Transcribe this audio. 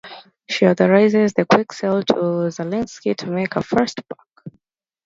She authorizes the quick sale to Zalinsky to make a fast buck.